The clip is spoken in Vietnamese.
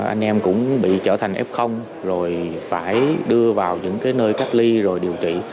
anh em cũng bị trở thành f rồi phải đưa vào những nơi cách ly rồi điều trị